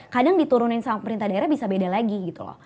kadang diturunin sama pemerintah daerah bisa beda lagi gitu loh